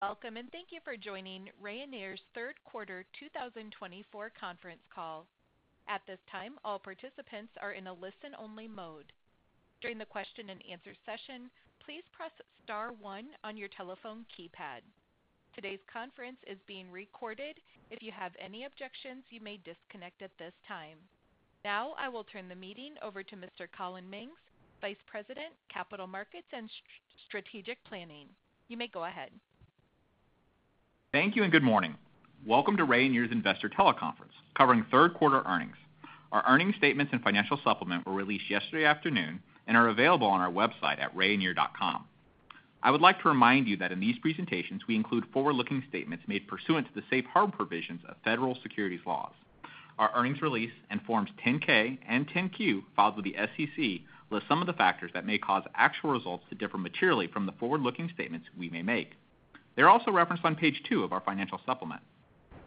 Welcome and thank you for joining Rayonier's third quarter 2024 conference call. At this time, all participants are in a listen-only mode. During the question-and-answer session, please press star one on your telephone keypad. Today's conference is being recorded. If you have any objections, you may disconnect at this time. Now, I will turn the meeting over to Mr. Collin Mings, Vice President, Capital Markets and Strategic Planning. You may go ahead. Thank you and good morning. Welcome to Rayonier's Investor Teleconference covering third quarter earnings. Our earnings statements and financial supplement were released yesterday afternoon and are available on our website at rayonier.com. I would like to remind you that in these presentations, we include forward-looking statements made pursuant to the safe harbor provisions of federal securities laws. Our earnings release and Forms 10-K and 10-Q filed with the SEC list some of the factors that may cause actual results to differ materially from the forward-looking statements we may make. They're also referenced on page two of our financial supplement.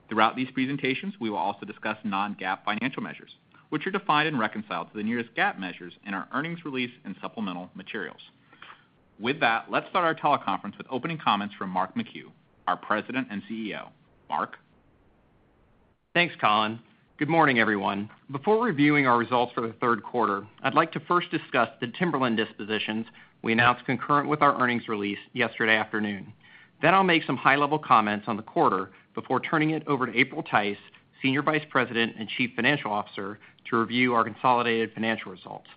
Throughout these presentations, we will also discuss non-GAAP financial measures, which are defined and reconciled to the nearest GAAP measures in our earnings release and supplemental materials. With that, let's start our teleconference with opening comments from Mark McHugh, our President and CEO. Mark. Thanks, Collin. Good morning, everyone. Before reviewing our results for the third quarter, I'd like to first discuss the timberland dispositions we announced concurrent with our earnings release yesterday afternoon. Then I'll make some high-level comments on the quarter before turning it over to April Tice, Senior Vice President and Chief Financial Officer, to review our consolidated financial results.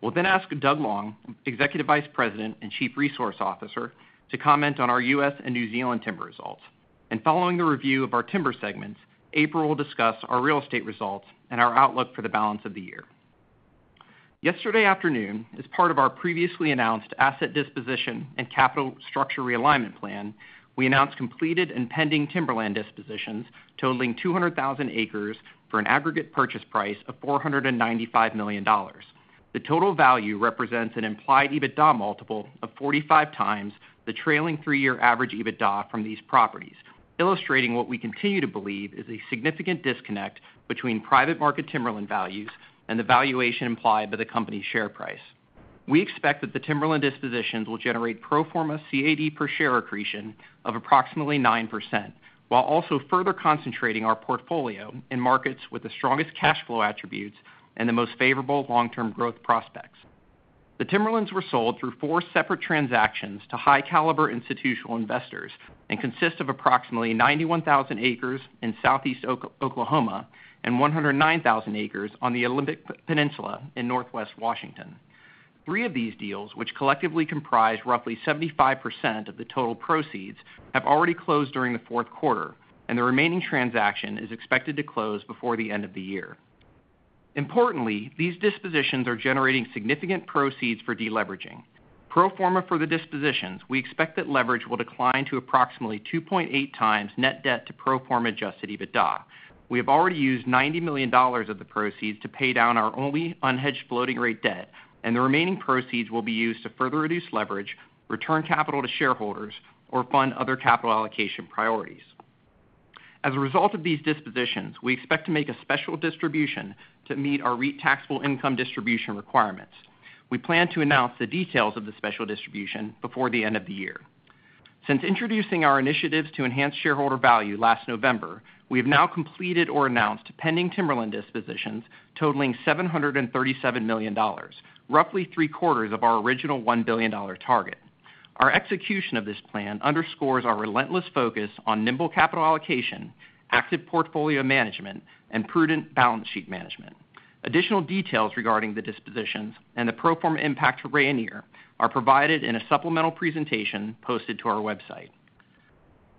We'll then ask Doug Long, Executive Vice President and Chief Resource Officer, to comment on our U.S. and New Zealand Timber results. And following the review of our timber segments, April will discuss our Real Estate results and our outlook for the balance of the year. Yesterday afternoon, as part of our previously announced asset disposition and capital structure realignment plan, we announced completed and pending timberland dispositions totaling 200,000 acres for an aggregate purchase price of $495 million. The total value represents an implied EBITDA multiple of 45x the trailing three-year average EBITDA from these properties, illustrating what we continue to believe is a significant disconnect between private market timberland values and the valuation implied by the company's share price. We expect that the timberland dispositions will generate pro forma CAD per share accretion of approximately 9%, while also further concentrating our portfolio in markets with the strongest cash flow attributes and the most favorable long-term growth prospects. The timberlands were sold through four separate transactions to high-caliber institutional investors and consist of approximately 91,000 acres in Southeast Oklahoma and 109,000 acres on the Olympic Peninsula in Northwest Washington. Three of these deals, which collectively comprise roughly 75% of the total proceeds, have already closed during the fourth quarter, and the remaining transaction is expected to close before the end of the year. Importantly, these dispositions are generating significant proceeds for deleveraging. Pro forma for the dispositions, we expect that leverage will decline to approximately 2.8x net debt to pro forma Adjusted EBITDA. We have already used $90 million of the proceeds to pay down our only unhedged floating rate debt, and the remaining proceeds will be used to further reduce leverage, return capital to shareholders, or fund other capital allocation priorities. As a result of these dispositions, we expect to make a special distribution to meet our REIT taxable income distribution requirements. We plan to announce the details of the special distribution before the end of the year. Since introducing our initiatives to enhance shareholder value last November, we have now completed or announced pending timberland dispositions totaling $737 million, roughly three-quarters of our original $1 billion target. Our execution of this plan underscores our relentless focus on nimble capital allocation, active portfolio management, and prudent balance sheet management. Additional details regarding the dispositions and the pro forma impact for Rayonier are provided in a supplemental presentation posted to our website.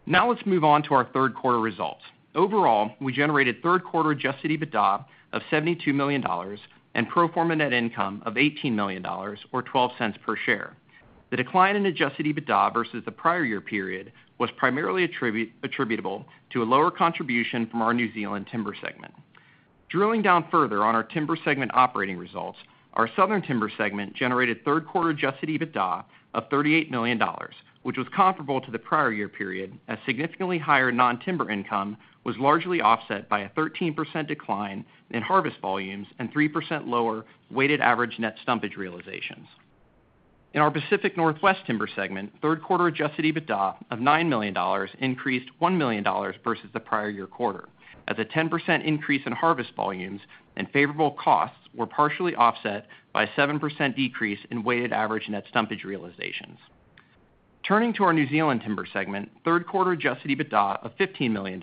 Now let's move on to our third quarter results. Overall, we generated third quarter Adjusted EBITDA of $72 million and pro forma net income of $18 million, or $0.12 per share. The decline in Adjusted EBITDA versus the prior year period was primarily attributable to a lower contribution from our New Zealand Timber segment. Drilling down further on our timber segment operating results, our Southern Timber segment generated third quarter Adjusted EBITDA of $38 million, which was comparable to the prior year period, as significantly higher non-timber income was largely offset by a 13% decline in harvest volumes and 3% lower weighted average net stumpage realizations. In our Pacific Northwest Timber segment, third quarter Adjusted EBITDA of $9 million increased $1 million versus the prior year quarter, as a 10% increase in harvest volumes and favorable costs were partially offset by a 7% decrease in weighted average net stumpage realizations. Turning to our New Zealand Timber segment, third quarter Adjusted EBITDA of $15 million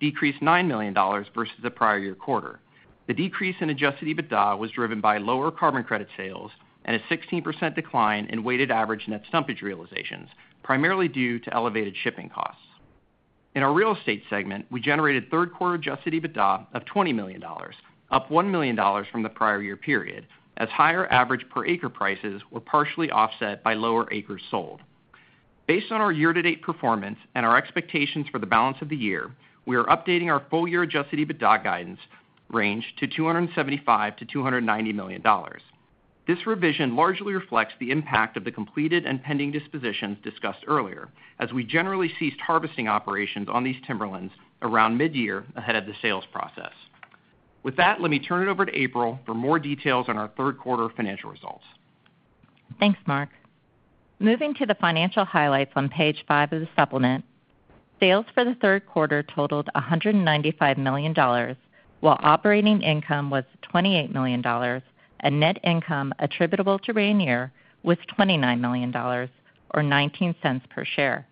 decreased $9 million versus the prior year quarter. The decrease in Adjusted EBITDA was driven by lower carbon credit sales and a 16% decline in weighted average net stumpage realizations, primarily due to elevated shipping costs. In our Real Estate segment, we generated third quarter Adjusted EBITDA of $20 million, up $1 million from the prior year period, as higher average per acre prices were partially offset by lower acres sold. Based on our year-to-date performance and our expectations for the balance of the year, we are updating our full-year Adjusted EBITDA guidance range to $275 million-$290 million. This revision largely reflects the impact of the completed and pending dispositions discussed earlier, as we generally ceased harvesting operations on these timberlands around mid-year ahead of the sales process. With that, let me turn it over to April for more details on our third quarter financial results. Thanks, Mark. Moving to the financial highlights on page five of the supplement, sales for the third quarter totaled $195 million, while operating income was $28 million, and net income attributable to Rayonier was $29 million, or $0.19 per share.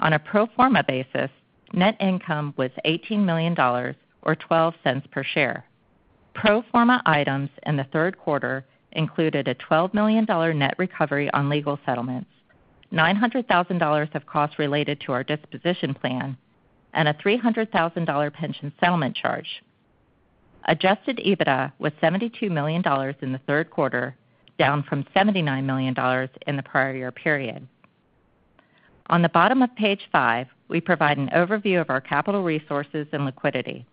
On a pro forma basis, net income was $18 million, or $0.12 per share. Pro forma items in the third quarter included a $12 million net recovery on legal settlements, $900,000 of costs related to our disposition plan, and a $300,000 pension settlement charge. Adjusted EBITDA was $72 million in the third quarter, down from $79 million in the prior year period. On the bottom of page five, we provide an overview of our capital resources and liquidity.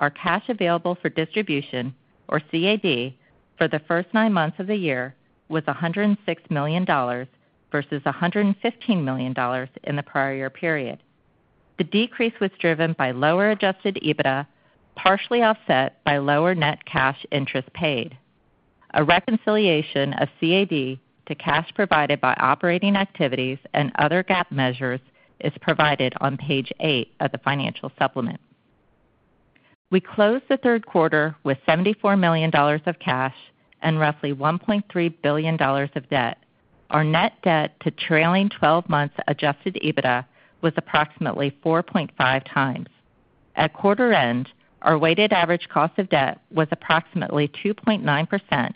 Our cash available for distribution, or CAD, for the first nine months of the year was $106 million vs $115 million in the prior year period. The decrease was driven by lower Adjusted EBITDA, partially offset by lower net cash interest paid. A reconciliation of CAD to cash provided by operating activities and other GAAP measures is provided on page eight of the financial supplement. We closed the third quarter with $74 million of cash and roughly $1.3 billion of debt. Our net debt to trailing 12 months Adjusted EBITDA was approximately 4.5x. At quarter end, our weighted average cost of debt was approximately 2.9%,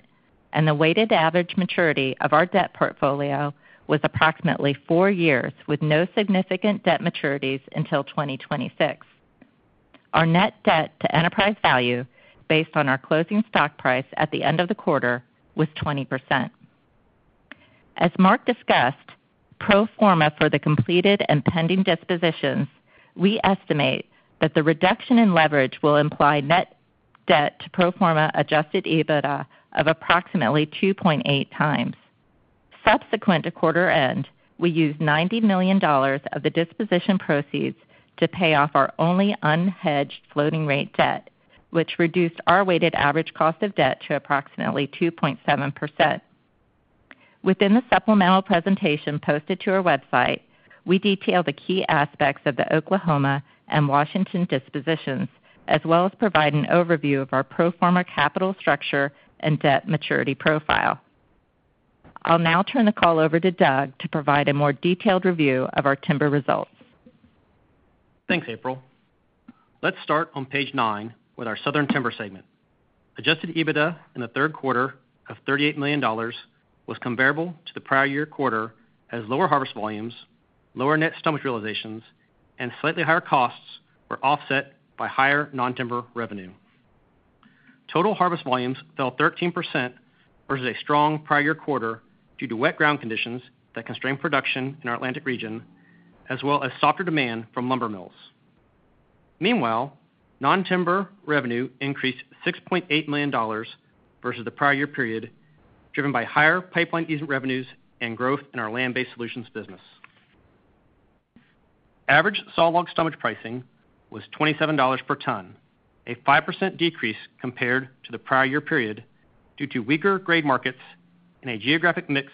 and the weighted average maturity of our debt portfolio was approximately four years, with no significant debt maturities until 2026. Our net debt to enterprise value, based on our closing stock price at the end of the quarter, was 20%. As Mark discussed, pro forma for the completed and pending dispositions, we estimate that the reduction in leverage will imply net debt to pro forma Adjusted EBITDA of approximately 2.8x. Subsequent to quarter end, we used $90 million of the disposition proceeds to pay off our only unhedged floating rate debt, which reduced our weighted average cost of debt to approximately 2.7%. Within the supplemental presentation posted to our website, we detail the key aspects of the Oklahoma and Washington dispositions, as well as provide an overview of our pro forma capital structure and debt maturity profile. I'll now turn the call over to Doug to provide a more detailed review of our timber results. Thanks, April. Let's start on page nine with our Southern Timber segment. Adjusted EBITDA in the third quarter of $38 million was comparable to the prior year quarter, as lower harvest volumes, lower net stumpage realizations, and slightly higher costs were offset by higher non-timber revenue. Total harvest volumes fell 13% versus a strong prior year quarter due to wet ground conditions that constrained production in our Atlantic region, as well as softer demand from lumber mills. Meanwhile, non-timber revenue increased $6.8 million versus the prior year period, driven by higher pipeline easement revenues and growth in our Land-Based Solutions business. Average sawlog stumpage pricing was $27 per ton, a 5% decrease compared to the prior year period due to weaker grade markets and a geographic mix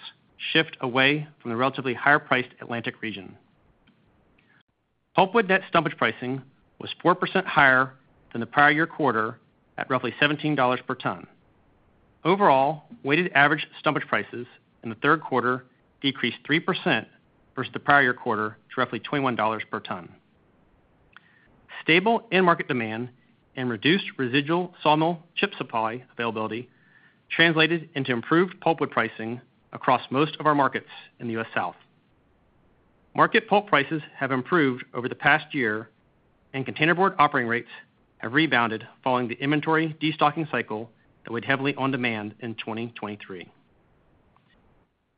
shift away from the relatively higher-priced Atlantic region. Pulpwood net stumpage pricing was 4% higher than the prior year quarter, at roughly $17 per ton. Overall, weighted average stumpage prices in the third quarter decreased 3% versus the prior year quarter, to roughly $21 per ton. Stable in-market demand and reduced residual sawmill chip supply availability translated into improved pulpwood pricing across most of our markets in the U.S. South. Market pulp prices have improved over the past year, and containerboard operating rates have rebounded following the inventory destocking cycle that went heavily on demand in 2023.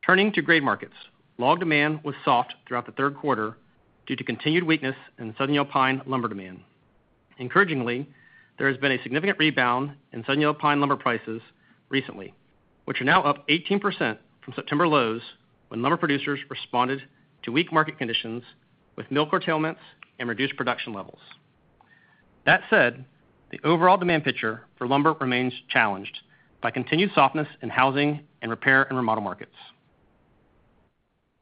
Turning to grade markets, log demand was soft throughout the third quarter due to continued weakness in Southern Yellow Pine lumber demand. Encouragingly, there has been a significant rebound in Southern Yellow Pine lumber prices recently, which are now up 18% from September lows when lumber producers responded to weak market conditions with mill curtailments and reduced production levels. That said, the overall demand picture for lumber remains challenged by continued softness in housing and repair and remodel markets.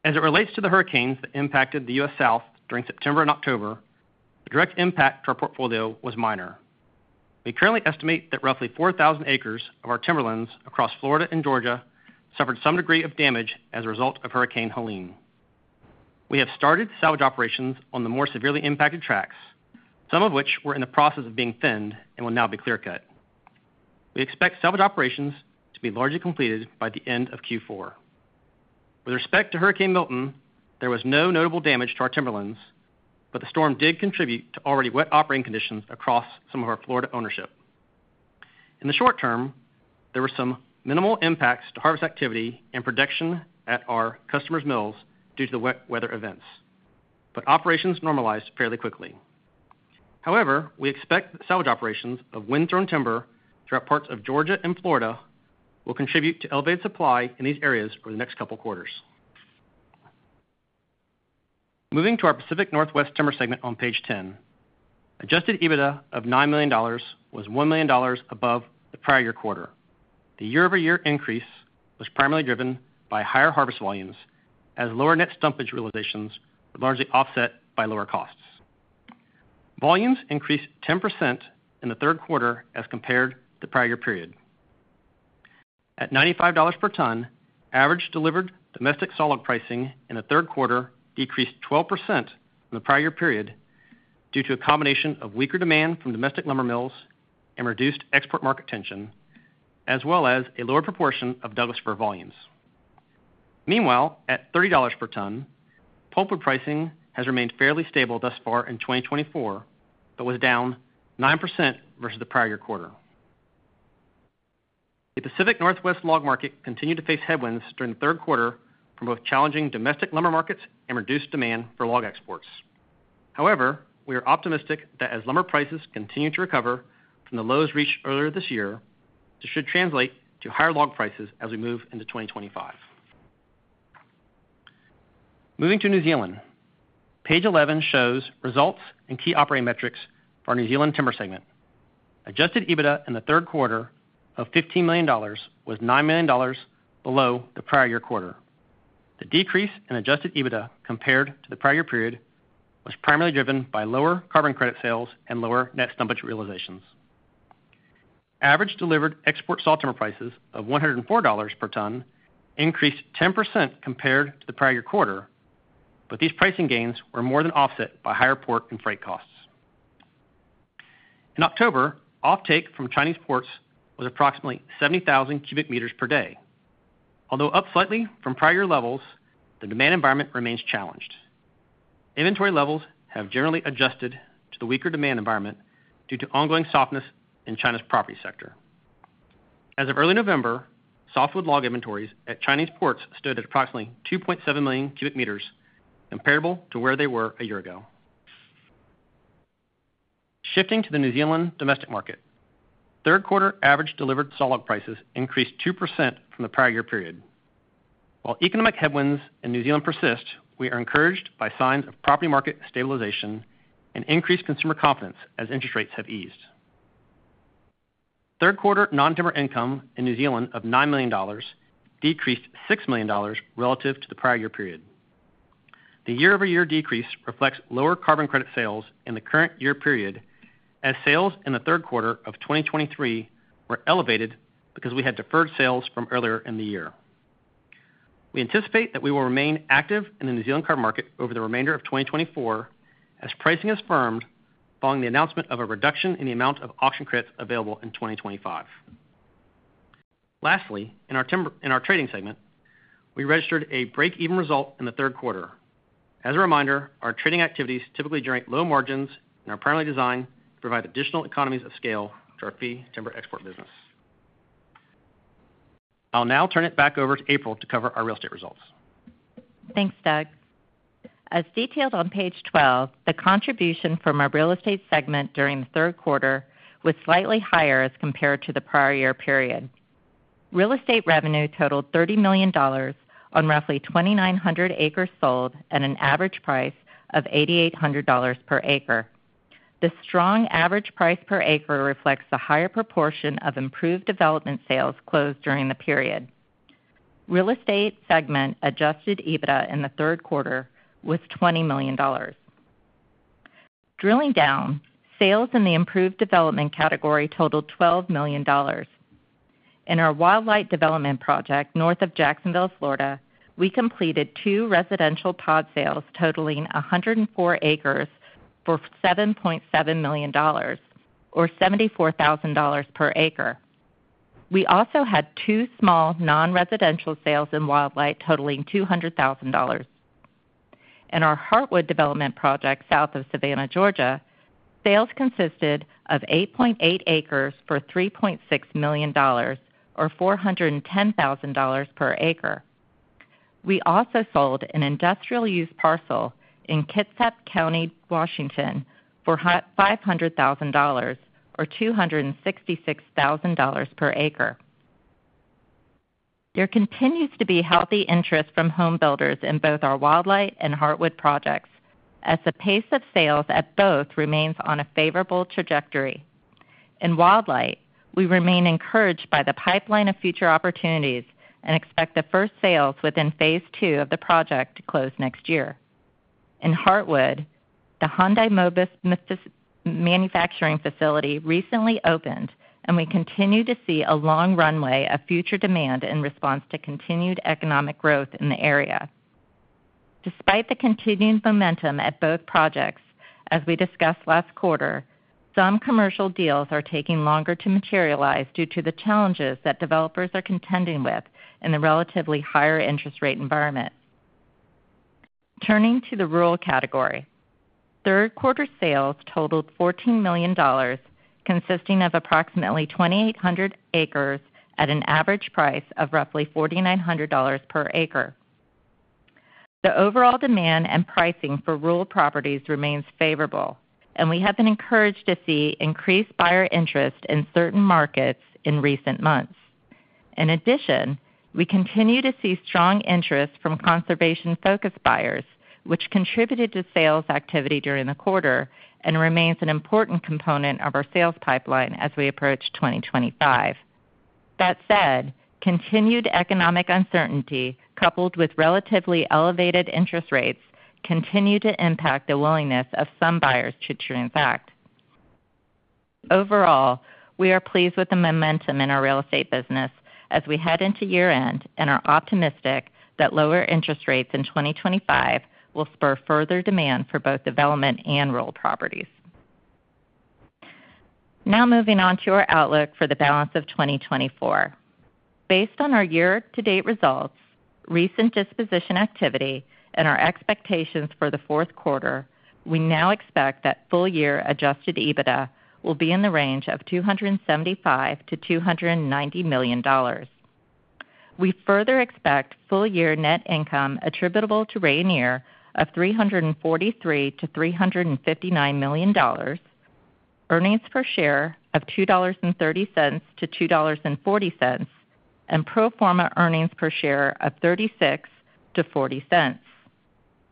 As it relates to the hurricanes that impacted the U.S. South during September and October, the direct impact to our portfolio was minor. We currently estimate that roughly 4,000 acres of our timberlands across Florida and Georgia suffered some degree of damage as a result of Hurricane Helene. We have started salvage operations on the more severely impacted tracts, some of which were in the process of being thinned and will now be clear-cut. We expect salvage operations to be largely completed by the end of Q4. With respect to Hurricane Milton, there was no notable damage to our timberlands, but the storm did contribute to already wet operating conditions across some of our Florida ownership. In the short term, there were some minimal impacts to harvest activity and production at our customers' mills due to the wet weather events, but operations normalized fairly quickly. However, we expect salvage operations of wind-thrown timber throughout parts of Georgia and Florida will contribute to elevated supply in these areas over the next couple of quarters. Moving to our Pacific Northwest Timber segment on page 10, Adjusted EBITDA of $9 million was $1 million above the prior year quarter. The year-over-year increase was primarily driven by higher harvest volumes, as lower net stumpage realizations were largely offset by lower costs. Volumes increased 10% in the third quarter as compared to the prior year period. At $95 per ton, average delivered domestic sawlog pricing in the third quarter decreased 12% in the prior year period due to a combination of weaker demand from domestic lumber mills and reduced export market tension, as well as a lower proportion of Douglas fir volumes. Meanwhile, at $30 per ton, pulpwood pricing has remained fairly stable thus far in 2024, but was down 9% versus the prior year quarter. The Pacific Northwest log market continued to face headwinds during the third quarter from both challenging domestic lumber markets and reduced demand for log exports. However, we are optimistic that as lumber prices continue to recover from the lows reached earlier this year, this should translate to higher log prices as we move into 2025. Moving to New Zealand, page 11 shows results and key operating metrics for our New Zealand Timber segment. Adjusted EBITDA in the third quarter of $15 million was $9 million below the prior year quarter. The decrease in Adjusted EBITDA compared to the prior year period was primarily driven by lower carbon credit sales and lower net stumpage realizations. Average delivered export sawtimber prices of $104 per ton increased 10% compared to the prior year quarter, but these pricing gains were more than offset by higher port and freight costs. In October, offtake from Chinese ports was approximately 70,000 cubic meters per day. Although up slightly from prior year levels, the demand environment remains challenged. Inventory levels have generally adjusted to the weaker demand environment due to ongoing softness in China's property sector. As of early November, softwood log inventories at Chinese ports stood at approximately 2.7 million cubic meters, comparable to where they were a year ago. Shifting to the New Zealand domestic market, third quarter average delivered sawlog prices increased 2% from the prior year period. While economic headwinds in New Zealand persist, we are encouraged by signs of property market stabilization and increased consumer confidence as interest rates have eased. Third quarter non-timber income in New Zealand of $9 million decreased $6 million relative to the prior year period. The year-over-year decrease reflects lower carbon credit sales in the current year period, as sales in the third quarter of 2023 were elevated because we had deferred sales from earlier in the year. We anticipate that we will remain active in the New Zealand carbon market over the remainder of 2024, as pricing is firmed following the announcement of a reduction in the amount of auction credits available in 2025. Lastly, in our Trading segment, we registered a break-even result in the third quarter. As a reminder, our Trading activities typically generate low margins and are primarily designed to provide additional economies of scale to our fee timber export business. I'll now turn it back over to April to cover our Real Estate results. Thanks, Doug. As detailed on page 12, the contribution from our Real Estate segment during the third quarter was slightly higher as compared to the prior year period. Real Estate revenue totaled $30 million on roughly 2,900 acres sold at an average price of $8,800 per acre. The strong average price per acre reflects a higher proportion of improved development sales closed during the period. Real Estate segment Adjusted EBITDA in the third quarter was $20 million. Drilling down, sales in the improved development category totaled $12 million. In our Wildlight development project north of Jacksonville, Florida, we completed two residential pod sales totaling 104 acres for $7.7 million, or $74,000 per acre. We also had two small non-residential sales in Wildlight totaling $200,000. In our Hartwood development project south of Savannah, Georgia, sales consisted of 8.8 acres for $3.6 million, or $410,000 per acre. We also sold an industrial-use parcel in Kitsap County, Washington, for $500,000, or $266,000 per acre. There continues to be healthy interest from homebuilders in both our Wildlight and Hartwood projects, as the pace of sales at both remains on a favorable trajectory. In Wildlight, we remain encouraged by the pipeline of future opportunities and expect the first sales within phase two of the project to close next year. In Hartwood, the Hyundai Mobis manufacturing facility recently opened, and we continue to see a long runway of future demand in response to continued economic growth in the area. Despite the continued momentum at both projects, as we discussed last quarter, some commercial deals are taking longer to materialize due to the challenges that developers are contending with in the relatively higher interest rate environment. Turning to the rural category, third quarter sales totaled $14 million, consisting of approximately 2,800 acres at an average price of roughly $4,900 per acre. The overall demand and pricing for rural properties remains favorable, and we have been encouraged to see increased buyer interest in certain markets in recent months. In addition, we continue to see strong interest from conservation-focused buyers, which contributed to sales activity during the quarter and remains an important component of our sales pipeline as we approach 2025. That said, continued economic uncertainty, coupled with relatively elevated interest rates, continue to impact the willingness of some buyers to transact. Overall, we are pleased with the momentum in our Real Estate business as we head into year-end and are optimistic that lower interest rates in 2025 will spur further demand for both development and rural properties. Now moving on to our outlook for the balance of 2024. Based on our year-to-date results, recent disposition activity, and our expectations for the fourth quarter, we now expect that full-year Adjusted EBITDA will be in the range of $275 million-$290 million. We further expect full-year net income attributable to Rayonier of $343 million-$359 million, earnings per share of $2.30-$2.40, and pro forma earnings per share of $0.36-$0.40.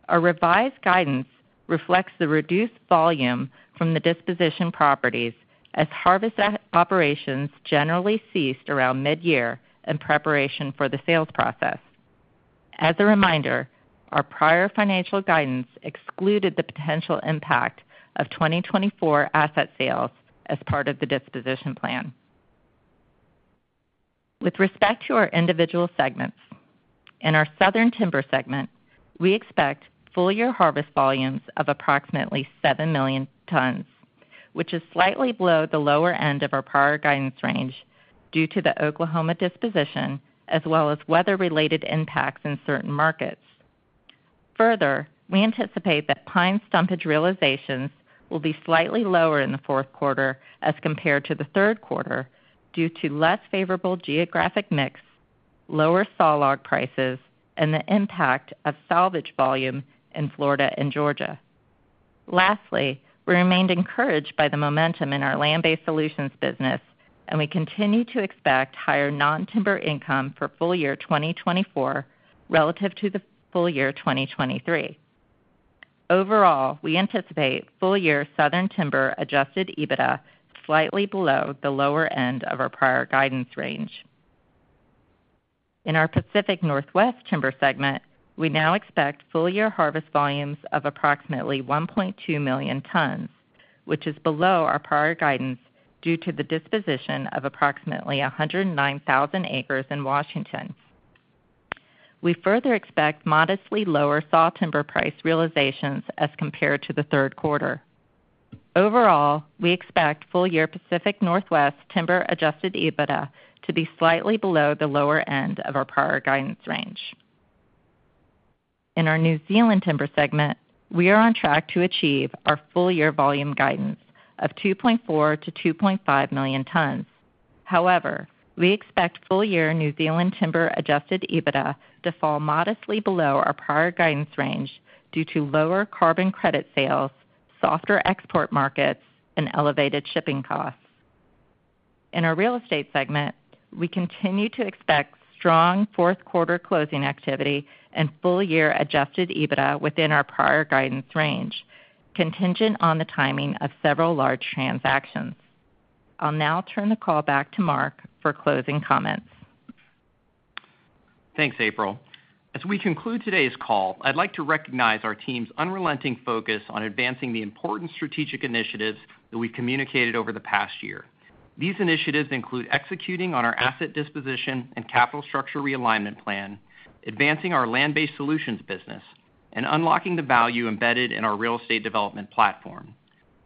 Our revised guidance reflects the reduced volume from the disposition properties, as harvest operations generally ceased around mid-year in preparation for the sales process. As a reminder, our prior financial guidance excluded the potential impact of 2024 asset sales as part of the disposition plan. With respect to our individual segments, in our Southern Timber segment, we expect full-year harvest volumes of approximately 7 million tons, which is slightly below the lower end of our prior guidance range due to the Oklahoma disposition, as well as weather-related impacts in certain markets. Further, we anticipate that pine stumpage realizations will be slightly lower in the fourth quarter as compared to the third quarter due to less favorable geographic mix, lower sawlog prices, and the impact of salvage volume in Florida and Georgia. Lastly, we remained encouraged by the momentum in our Land-Based Solutions business, and we continue to expect higher non-timber income for full-year 2024 relative to the full-year 2023. Overall, we anticipate full-year Southern Timber Adjusted EBITDA slightly below the lower end of our prior guidance range. In our Pacific Northwest Timber segment, we now expect full-year harvest volumes of approximately 1.2 million tons, which is below our prior guidance due to the disposition of approximately 109,000 acres in Washington. We further expect modestly lower sawtimber price realizations as compared to the third quarter. Overall, we expect full-year Pacific Northwest Timber Adjusted EBITDA to be slightly below the lower end of our prior guidance range. In our New Zealand Timber segment, we are on track to achieve our full-year volume guidance of 2.4 million tons-2.5 million tons. However, we expect full-year New Zealand Timber Adjusted EBITDA to fall modestly below our prior guidance range due to lower carbon credit sales, softer export markets, and elevated shipping costs. In our Real Estate segment, we continue to expect strong fourth quarter closing activity and full-year Adjusted EBITDA within our prior guidance range, contingent on the timing of several large transactions. I'll now turn the call back to Mark for closing comments. Thanks, April. As we conclude today's call, I'd like to recognize our team's unrelenting focus on advancing the important strategic initiatives that we've communicated over the past year. These initiatives include executing on our asset disposition and capital structure realignment plan, advancing our Land-Based Solutions business, and unlocking the value embedded in our Real Estate development platform.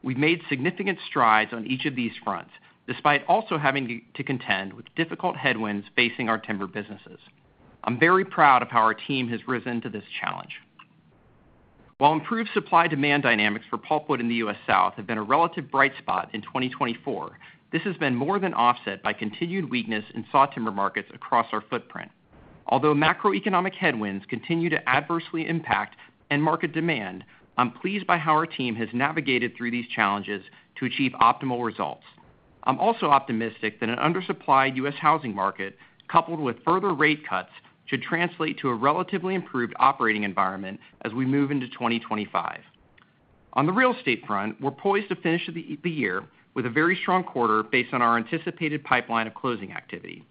We've made significant strides on each of these fronts, despite also having to contend with difficult headwinds facing our timber businesses. I'm very proud of how our team has risen to this challenge. While improved supply-demand dynamics for pulpwood in the U.S. South have been a relative bright spot in 2024, this has been more than offset by continued weakness in sawtimber markets across our footprint. Although macroeconomic headwinds continue to adversely impact end market demand, I'm pleased by how our team has navigated through these challenges to achieve optimal results. I'm also optimistic that an undersupplied U.S. housing market, coupled with further rate cuts, should translate to a relatively improved operating environment as we move into 2025. On the Real Estate front, we're poised to finish the year with a very strong quarter based on our anticipated pipeline of closing activity.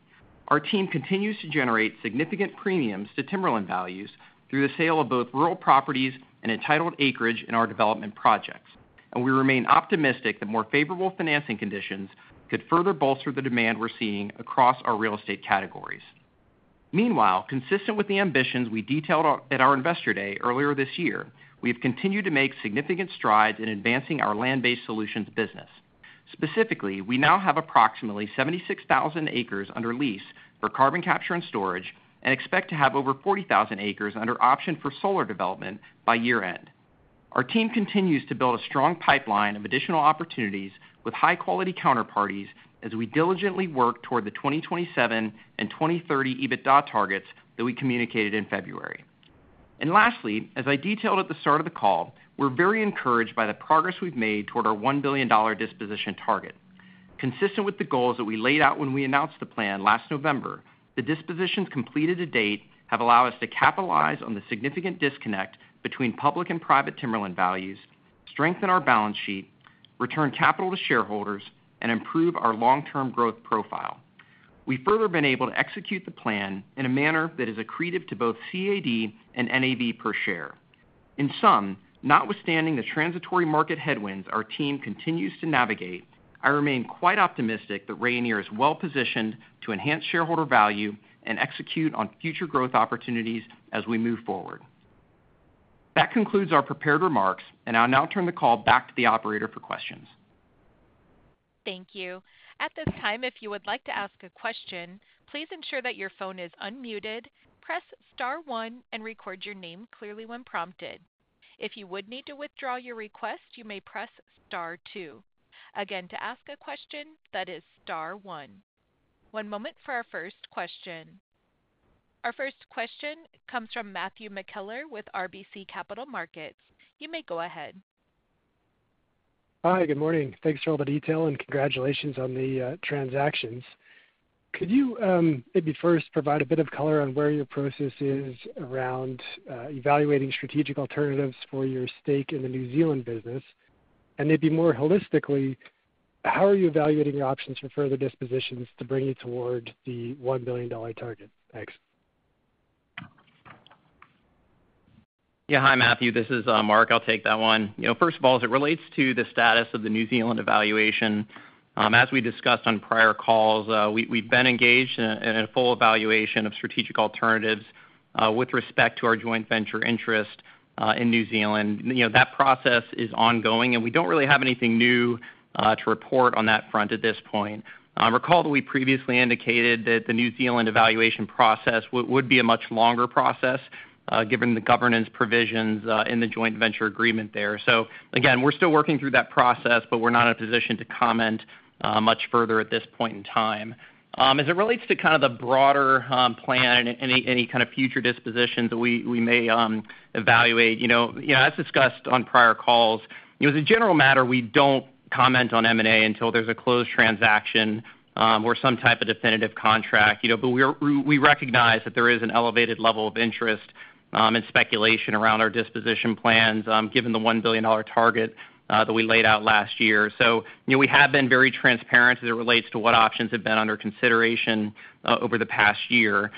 Our team continues to generate significant premiums to timberland values through the sale of both rural properties and entitled acreage in our development projects, and we remain optimistic that more favorable financing conditions could further bolster the demand we're seeing across our Real Estate categories. Meanwhile, consistent with the ambitions we detailed at our investor day earlier this year, we have continued to make significant strides in advancing our Land-Based Solutions business. Specifically, we now have approximately 76,000 acres under lease for carbon capture and storage and expect to have over 40,000 acres under option for solar development by year-end. Our team continues to build a strong pipeline of additional opportunities with high-quality counterparties as we diligently work toward the 2027 and 2030 EBITDA targets that we communicated in February, and lastly, as I detailed at the start of the call, we're very encouraged by the progress we've made toward our $1 billion disposition target. Consistent with the goals that we laid out when we announced the plan last November, the dispositions completed to date have allowed us to capitalize on the significant disconnect between public and private timberland values, strengthen our balance sheet, return capital to shareholders, and improve our long-term growth profile. We've further been able to execute the plan in a manner that is accretive to both CAD and NAV per share. In sum, notwithstanding the transitory market headwinds our team continues to navigate, I remain quite optimistic that Rayonier is well-positioned to enhance shareholder value and execute on future growth opportunities as we move forward. That concludes our prepared remarks, and I'll now turn the call back to the operator for questions. Thank you. At this time, if you would like to ask a question, please ensure that your phone is unmuted. Press star one and record your name clearly when prompted. If you would need to withdraw your request, you may press star two. Again, to ask a question, that is star one. One moment for our first question. Our first question comes from Matthew McKellar with RBC Capital Markets. You may go ahead. Hi, good morning. Thanks for all the detail and congratulations on the transactions. Could you maybe first provide a bit of color on where your process is around evaluating strategic alternatives for your stake in the New Zealand business? And maybe more holistically, how are you evaluating your options for further dispositions to bring you toward the $1 billion target? Thanks. Yeah, hi, Matthew. This is Mark. I'll take that one. First of all, as it relates to the status of the New Zealand evaluation, as we discussed on prior calls, we've been engaged in a full evaluation of strategic alternatives with respect to our joint venture interest in New Zealand. That process is ongoing, and we don't really have anything new to report on that front at this point. Recall that we previously indicated that the New Zealand evaluation process would be a much longer process given the governance provisions in the joint venture agreement there. So again, we're still working through that process, but we're not in a position to comment much further at this point in time. As it relates to kind of the broader plan and any kind of future dispositions that we may evaluate, as discussed on prior calls, as a general matter, we don't comment on M&A until there's a closed transaction or some type of definitive contract. But we recognize that there is an elevated level of interest and speculation around our disposition plans given the $1 billion target that we laid out last year. So we have been very transparent as it relates to what options have been under consideration over the past year.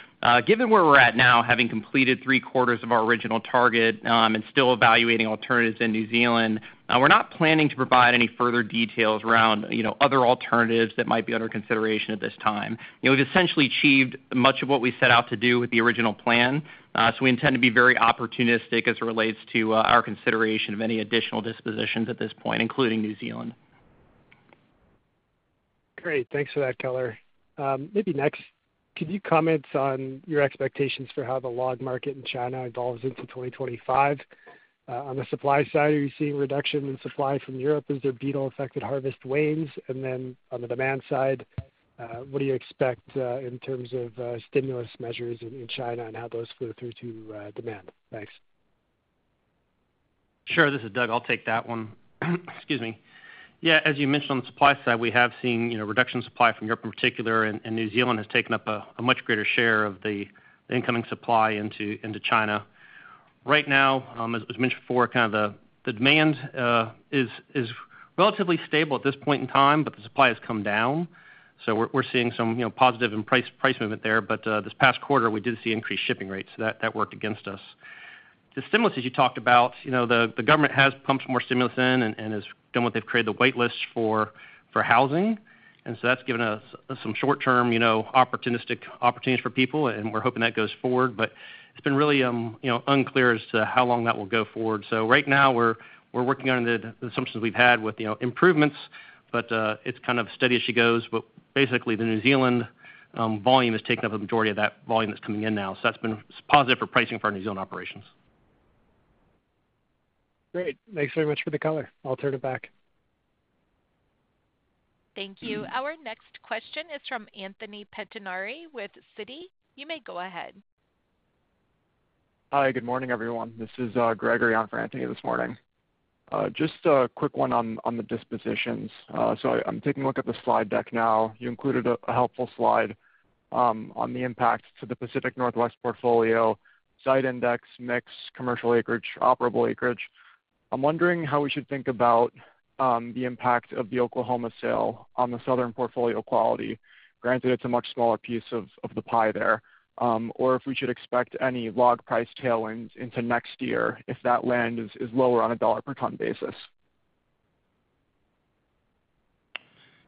Given where we're at now, having completed three quarters of our original target and still evaluating alternatives in New Zealand, we're not planning to provide any further details around other alternatives that might be under consideration at this time. We've essentially achieved much of what we set out to do with the original plan, so we intend to be very opportunistic as it relates to our consideration of any additional dispositions at this point, including New Zealand. Great. Thanks for that color. Maybe next, could you comment on your expectations for how the log market in China evolves into 2025? On the supply side, are you seeing reduction in supply from Europe? Is there beetle-affected harvest wanes? And then on the demand side, what do you expect in terms of stimulus measures in China and how those flow through to demand? Thanks. Sure. This is Doug. I'll take that one. Excuse me. Yeah, as you mentioned, on the supply side, we have seen reduction in supply from Europe in particular, and New Zealand has taken up a much greater share of the incoming supply into China. Right now, as mentioned before, kind of the demand is relatively stable at this point in time, but the supply has come down. So we're seeing some positive price movement there. But this past quarter, we did see increased shipping rates. That worked against us. The stimulus, as you talked about, the government has pumped more stimulus in and has done what they've created, the whitelists for housing. And so that's given us some short-term opportunistic opportunities for people, and we're hoping that goes forward. But it's been really unclear as to how long that will go forward. So right now, we're working on the assumptions we've had with improvements, but it's kind of steady as she goes. But basically, the New Zealand volume has taken up the majority of that volume that's coming in now. So that's been positive for pricing for our New Zealand operations. Great. Thanks very much for the color. I'll turn it back. Thank you. Our next question is from Anthony Pettinari with Citi. You may go ahead. Hi, good morning, everyone. This is Gregory on for Anthony this morning. Just a quick one on the dispositions. So I'm taking a look at the slide deck now. You included a helpful slide on the impact to the Pacific Northwest portfolio, site index, mix, commercial acreage, operable acreage. I'm wondering how we should think about the impact of the Oklahoma sale on the Southern portfolio quality. Granted, it's a much smaller piece of the pie there. Or if we should expect any log price tailwinds into next year if that land is lower on a dollar per ton basis.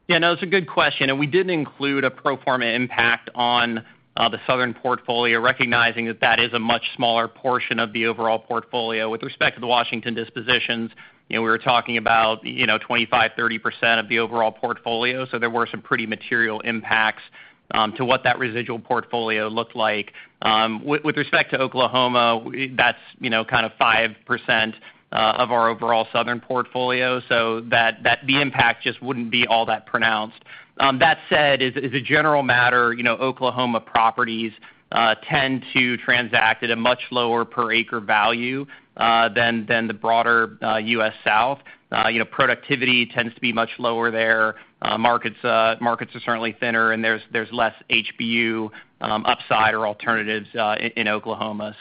Yeah, no, it's a good question, and we didn't include a pro forma impact on the Southern portfolio, recognizing that that is a much smaller portion of the overall portfolio. With respect to the Washington dispositions, we were talking about 25%-30% of the overall portfolio. So there were some pretty material impacts to what that residual portfolio looked like. With respect to Oklahoma, that's kind of 5% of our overall Southern portfolio. So the impact just wouldn't be all that pronounced. That said, as a general matter, Oklahoma properties tend to transact at a much lower per acre value than the broader U.S. South. Productivity tends to be much lower there. Markets are certainly thinner, and there's less HBU upside or alternatives in Oklahoma.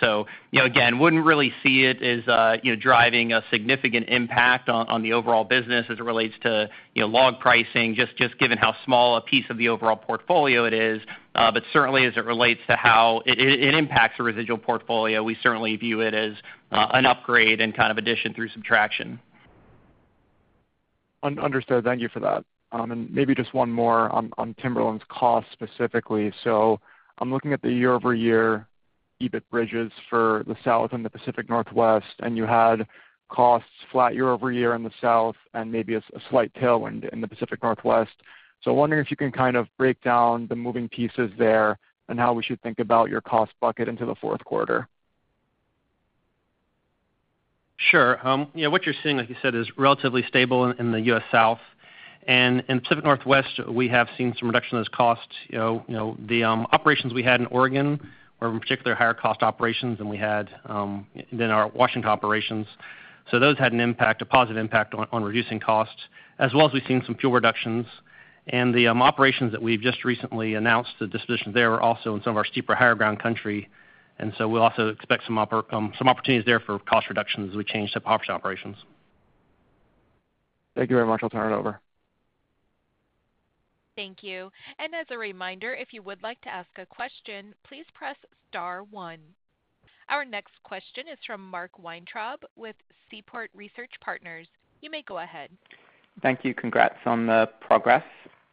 Again, wouldn't really see it as driving a significant impact on the overall business as it relates to log pricing, just given how small a piece of the overall portfolio it is. Certainly, as it relates to how it impacts the residual portfolio, we certainly view it as an upgrade and kind of addition through subtraction. Understood. Thank you for that. And maybe just one more on timberland's cost specifically. So I'm looking at the year-over-year EBIT bridges for the South and the Pacific Northwest, and you had costs flat year-over-year in the South and maybe a slight tailwind in the Pacific Northwest. So I'm wondering if you can kind of break down the moving pieces there and how we should think about your cost bucket into the fourth quarter. Sure. Yeah, what you're seeing, like you said, is relatively stable in the U.S. South. And in the Pacific Northwest, we have seen some reduction in those costs. The operations we had in Oregon were, in particular, higher cost operations than we had in our Washington operations. So those had an impact, a positive impact on reducing costs, as well as we've seen some fuel reductions. And the operations that we've just recently announced, the dispositions there were also in some of our steeper higher ground country. And so we'll also expect some opportunities there for cost reductions as we change to operations. Thank you very much. I'll turn it over. Thank you. And as a reminder, if you would like to ask a question, please press star one. Our next question is from Mark Weintraub with Seaport Research Partners. You may go ahead. Thank you. Congrats on the progress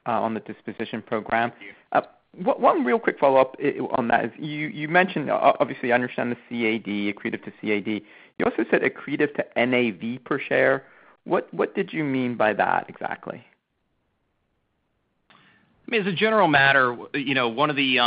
on the disposition program. One real quick follow-up on that is you mentioned, obviously, I understand the CAD, accretive to CAD. You also said accretive to NAV per share. What did you mean by that exactly? I mean, as a general matter, one of the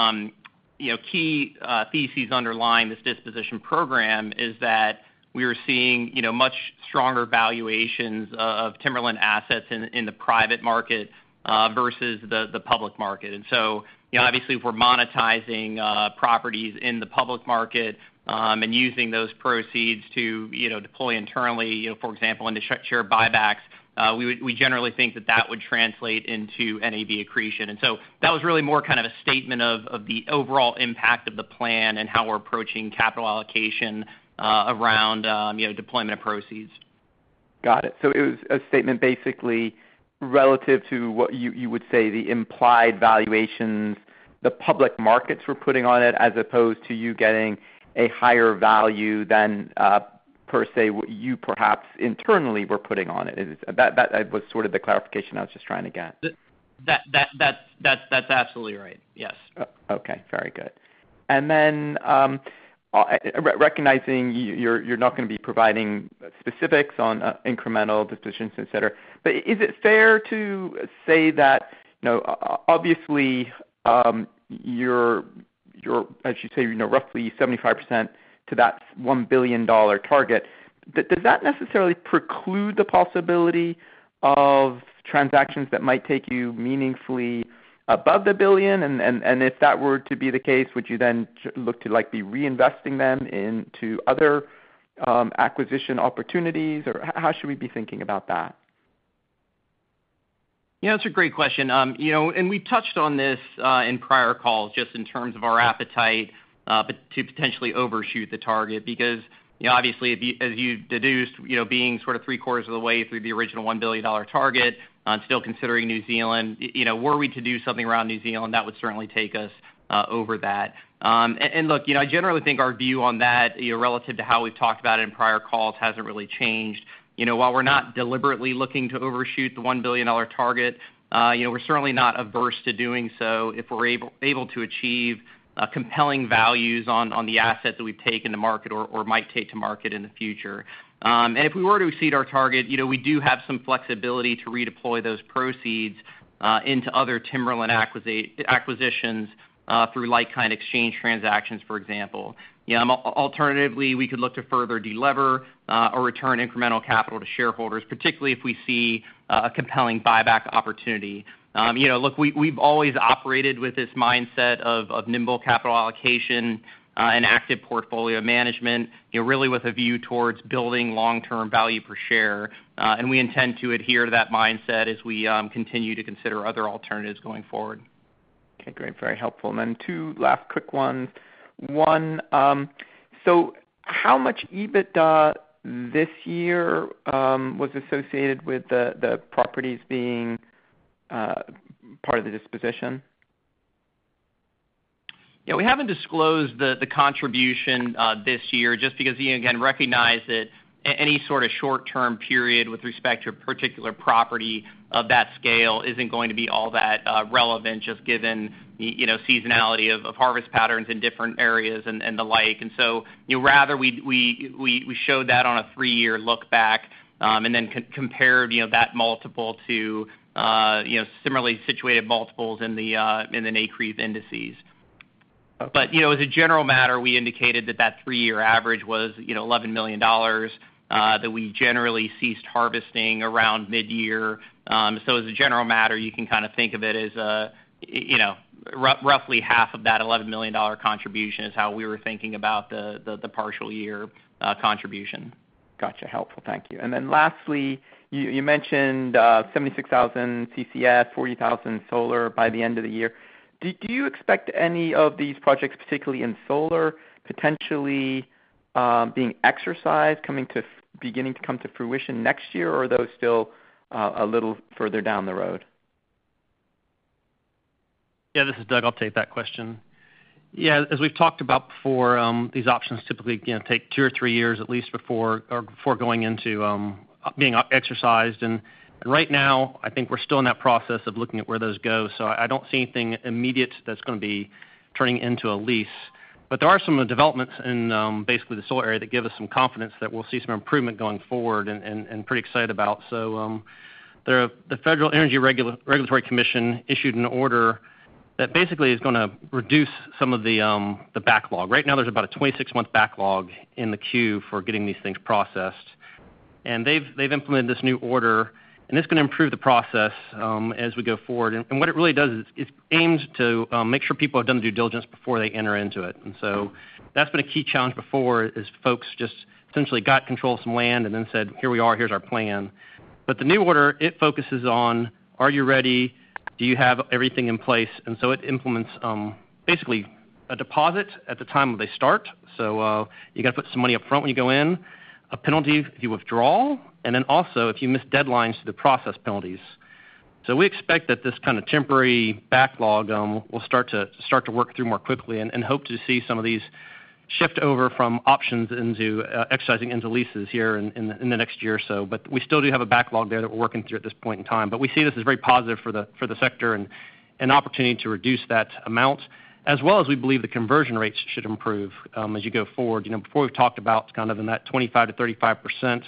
key theses underlying this disposition program is that we are seeing much stronger valuations of timberland assets in the private market versus the public market. And so obviously, if we're monetizing properties in the public market and using those proceeds to deploy internally, for example, into share buybacks, we generally think that that would translate into NAV accretion. And so that was really more kind of a statement of the overall impact of the plan and how we're approaching capital allocation around deployment of proceeds. Got it. So it was a statement basically relative to what you would say the implied valuations, the public markets were putting on it as opposed to you getting a higher value than per se what you perhaps internally were putting on it. That was sort of the clarification I was just trying to get. That's absolutely right. Yes. Okay. Very good. And then recognizing you're not going to be providing specifics on incremental dispositions, etc., but is it fair to say that obviously you're, as you say, roughly 75% to that $1 billion target, does that necessarily preclude the possibility of transactions that might take you meaningfully above the billion? And if that were to be the case, would you then look to be reinvesting them into other acquisition opportunities? Or how should we be thinking about that? Yeah, that's a great question. And we touched on this in prior calls just in terms of our appetite to potentially overshoot the target because, obviously, as you deduced, being sort of three quarters of the way through the original $1 billion target and still considering New Zealand, were we to do something around New Zealand, that would certainly take us over that. And look, I generally think our view on that relative to how we've talked about it in prior calls hasn't really changed. While we're not deliberately looking to overshoot the $1 billion target, we're certainly not averse to doing so if we're able to achieve compelling values on the assets that we've taken to market or might take to market in the future. And if we were to exceed our target, we do have some flexibility to redeploy those proceeds into other timberland acquisitions through like-kind exchange transactions, for example. Alternatively, we could look to further delever or return incremental capital to shareholders, particularly if we see a compelling buyback opportunity. Look, we've always operated with this mindset of nimble capital allocation and active portfolio management, really with a view towards building long-term value per share. And we intend to adhere to that mindset as we continue to consider other alternatives going forward. Okay. Great. Very helpful. And then two last quick ones. One, so how much EBITDA this year was associated with the properties being part of the disposition? Yeah, we haven't disclosed the contribution this year just because, again, we recognize that any sort of short-term period with respect to a particular property of that scale isn't going to be all that relevant just given the seasonality of harvest patterns in different areas and the like. Rather, we showed that on a three-year lookback and then compared that multiple to similarly situated multiples in the NCREIF indices. But as a general matter, we indicated that that three-year average was $11 million, and that we generally ceased harvesting around mid-year. As a general matter, you can kind of think of it as roughly $5.5 million contribution is how we were thinking about the partial year contribution. Gotcha. Helpful. Thank you. And then lastly, you mentioned 76,000 CCS, 40,000 solar by the end of the year. Do you expect any of these projects, particularly in solar, potentially being exercised, beginning to come to fruition next year, or are those still a little further down the road? Yeah, this is Doug. I'll take that question. Yeah, as we've talked about before, these options typically take two or three years at least before going into being exercised. And right now, I think we're still in that process of looking at where those go. So I don't see anything immediate that's going to be turning into a lease. But there are some developments in basically the solar area that give us some confidence that we'll see some improvement going forward and pretty excited about. So the Federal Energy Regulatory Commission issued an order that basically is going to reduce some of the backlog. Right now, there's about a 26-month backlog in the queue for getting these things processed. And they've implemented this new order, and it's going to improve the process as we go forward. And what it really does is it aims to make sure people have done the due diligence before they enter into it. And so that's been a key challenge before is folks just essentially got control of some land and then said, "Here we are. Here's our plan." But the new order, it focuses on, "Are you ready? Do you have everything in place?" And so it implements basically a deposit at the time when they start. So you're going to put some money upfront when you go in, a penalty if you withdraw, and then also if you miss deadlines to the process penalties. So we expect that this kind of temporary backlog will start to work through more quickly and hope to see some of these shift over from options exercising into leases here in the next year or so. But we still do have a backlog there that we're working through at this point in time. But we see this as very positive for the sector and an opportunity to reduce that amount, as well as we believe the conversion rates should improve as you go forward. Before, we've talked about kind of in that 25%-35%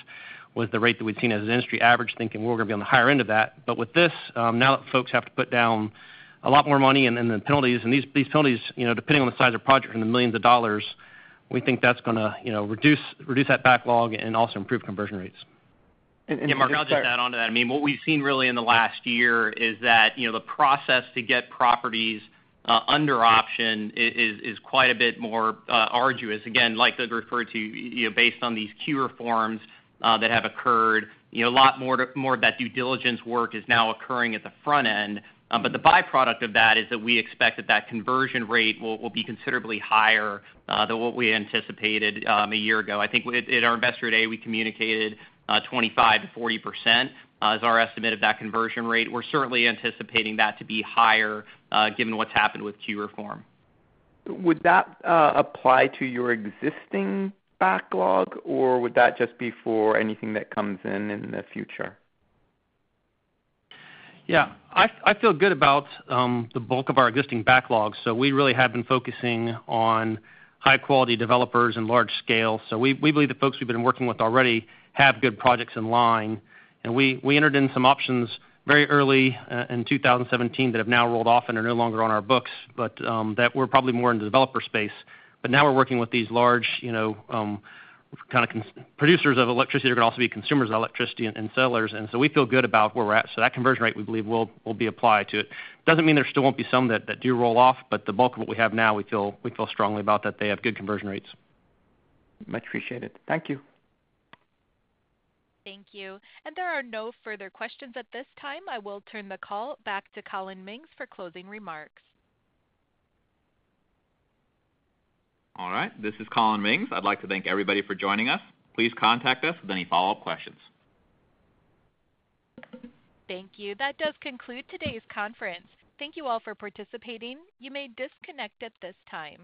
was the rate that we'd seen as an industry average, thinking we're going to be on the higher end of that. But with this, now that folks have to put down a lot more money and then the penalties, and these penalties, depending on the size of the project and the millions of dollars, we think that's going to reduce that backlog and also improve conversion rates. Yeah, Mark, I'll just add on to that. I mean, what we've seen really in the last year is that the process to get properties under option is quite a bit more arduous. Again, like Doug referred to, based on these queue reforms that have occurred, a lot more of that due diligence work is now occurring at the front end. But the byproduct of that is that we expect that that conversion rate will be considerably higher than what we anticipated a year ago. I think at our investor day, we communicated 25%-40% as our estimate of that conversion rate. We're certainly anticipating that to be higher given what's happened with queue reform. Would that apply to your existing backlog, or would that just be for anything that comes in in the future? Yeah. I feel good about the bulk of our existing backlog. So we really have been focusing on high-quality developers and large scale. So we believe the folks we've been working with already have good projects in line. And we entered in some options very early in 2017 that have now rolled off and are no longer on our books, but that we're probably more in the developer space. But now we're working with these large kind of producers of electricity that are going to also be consumers of electricity and sellers. And so we feel good about where we're at. So that conversion rate, we believe, will be applied to it. Doesn't mean there still won't be some that do roll off, but the bulk of what we have now, we feel strongly about that they have good conversion rates. Much appreciated. Thank you. Thank you. And there are no further questions at this time. I will turn the call back to Collin Mings for closing remarks. All right. This is Collin Mings. I'd like to thank everybody for joining us. Please contact us with any follow-up questions. Thank you. That does conclude today's conference. Thank you all for participating. You may disconnect at this time.